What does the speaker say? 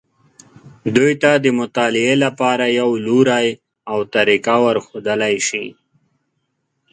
دوی ته د مطالعې لپاره یو لوری او طریقه ورښودلی شي.